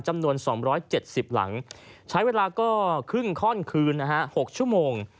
จำนวน๒๗๐หลังใช้เวลาก็ครึ่งข้อนคืนนะฮะ๖ชั่วโมง